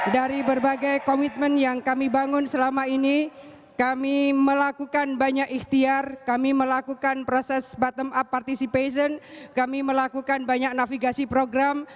dari berbagai komitmen yang kami bangun selama ini kami melakukan banyak ikhtiar kami melakukan proses bottom up participation kami melakukan banyak navigasi program